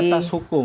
di atas hukum